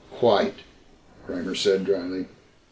"Quite," Kramer said dryly.